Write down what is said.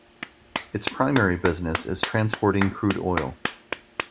Its primary business is transporting crude oil.